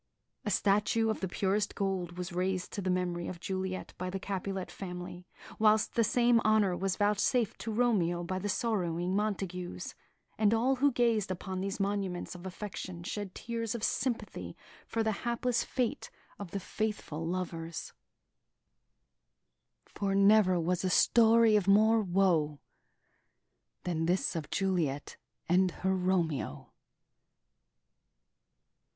A statue of the purest gold was raised to the memory of Juliet by the Capulet family, whilst the same honour was vouchsafed to Romeo by the sorrowing Montagues; and all who gazed upon these monuments of affection shed tears of sympathy for the hapless fate of the faithful lovers: "For never was a story of more woe Than this of Juliet and her Romeo!"